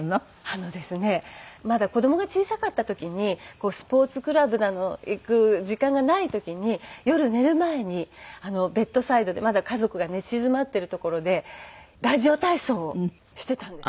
あのですねまだ子供が小さかった時にスポーツクラブだの行く時間がない時に夜寝る前にベッドサイドでまだ家族が寝静まっている所でラジオ体操をしていたんです。